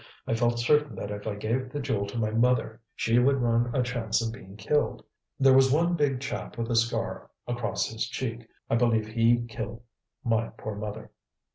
I felt certain that if I gave the jewel to my mother she would run a chance of being killed. There was one big chap with a scar across his cheek. I believe he killed my poor mother."